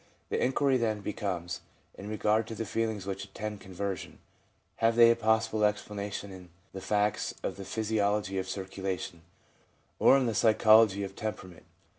The inquiry then becomes, in regard to the feelings which attend conversion : Have they a possible explanation in the facts of the physiology of circulation, or in the psychology of temperament?